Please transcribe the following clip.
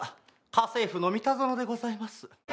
家政夫の三田園でございます。